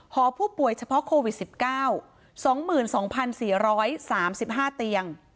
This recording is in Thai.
หอผู้ป่วยเฉพาะโควิด๑๙๒๒๔๓๕เตียง